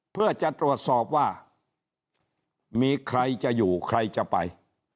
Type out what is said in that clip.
เพื่อจะตรวจสอบว่ามีใครจะอยู่ใครจะไป